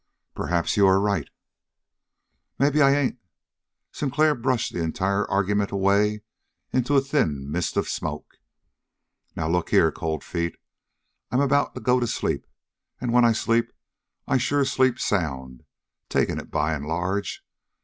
"Perhaps you're right." "And maybe I ain't." Sinclair brushed the entire argument away into a thin mist of smoke. "Now, look here, Cold Feet, I'm about to go to sleep, and when I sleep, I sure sleep sound, taking it by and large.